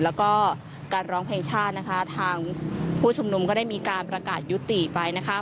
แล้วก็การร้องเพลงชาตินะคะทางผู้ชุมนุมก็ได้มีการประกาศยุติไปนะคะ